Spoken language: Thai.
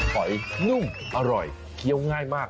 หอยนุ่มอร่อยเคี้ยวง่ายมาก